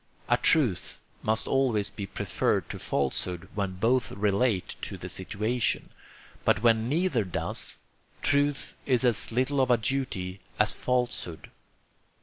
A truth must always be preferred to a falsehood when both relate to the situation; but when neither does, truth is as little of a duty as falsehood.